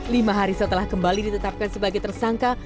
lima hari setelah kembali ditetapkan sebagai tersangka